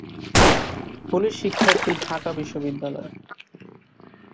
পুলিশশিক্ষার্থীঢাকা বিশ্ববিদ্যালয়